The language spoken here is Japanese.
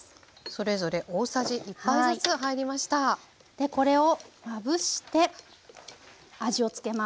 でこれをまぶして味をつけます。